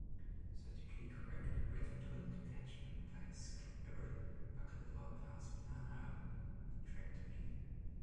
Surgically correct retinal detachment by scleral buckle or pars plana vitrectomy.